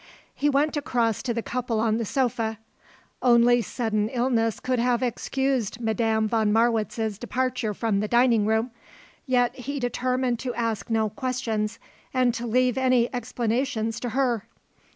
He went across to the couple on the sofa. Only sudden illness could have excused Madame von Marwitz's departure from the dining room, yet he determined to ask no questions, and to leave any explanations to her.